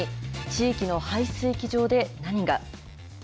地域の排水機場で何が？